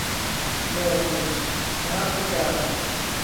รอบุญ - มนสิการ